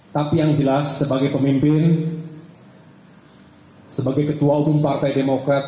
tapi yang jelas sebagai pemimpin sebagai ketua umum partai demokrat